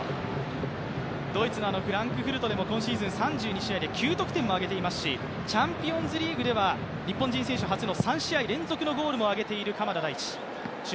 ドイツのフランクフルトでも３２試合で９得点も挙げていますしチャンピオンズリーグでは日本人選手で初の３試合連続ゴールも挙げている鎌田大地。